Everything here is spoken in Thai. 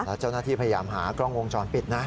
แล้วเจ้าหน้าที่พยายามหากล้องวงจรปิดนะ